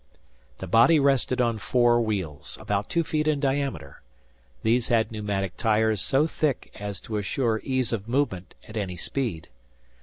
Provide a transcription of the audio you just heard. The body rested on four wheels, about two feet in diameter. These had pneumatic tires so thick as to assure ease of movement at any speed.